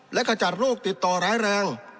และขจัดโรคติดต่อร้ายแรง